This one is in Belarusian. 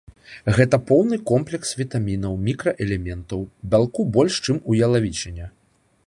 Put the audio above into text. Гэта поўны комплекс вітамінаў, мікраэлементаў, бялку больш, чым у ялавічыне.